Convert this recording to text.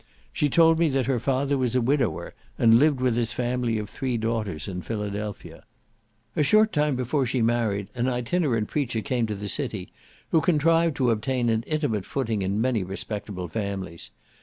She told me that her father was a widower, and lived with his family of three daughters, at Philadelphia. A short time before she married, an itinerant preacher came to the city, who contrived to obtain an intimate footing in many respectable families.